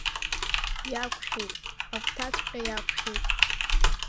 Иақәшәеит, агәҭаҵәҟьа иақәшәеит!